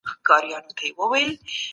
که یو مسلمان ذمي ووژني نو قصاص کېږي.